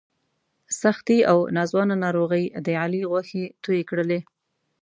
سختې او ناځوانه ناروغۍ د علي غوښې تویې کړلې.